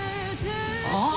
あっ！